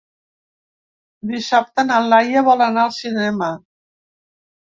Dissabte na Laia vol anar al cinema.